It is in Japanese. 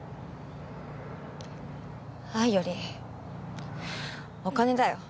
愛よりお金だよ